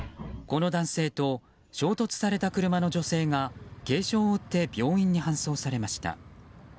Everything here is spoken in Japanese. この男性と衝突された車の女性が軽傷を負って病院に搬送されました。